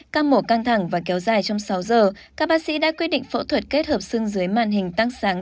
ca mổ căng thẳng và kéo dài trong sáu giờ các bác sĩ đã quyết định phẫu thuật kết hợp xương dưới màn hình tăng sáng